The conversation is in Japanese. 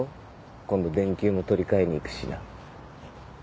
今度電球も取り換えに行くしな。